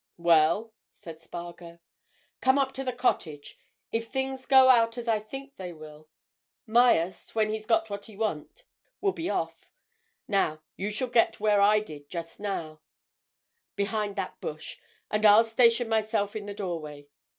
"Well?" said Spargo. "Come up to the cottage. If things turn out as I think they will, Myerst, when he's got what he wants, will be off. Now, you shall get where I did just now, behind that bush, and I'll station myself in the doorway.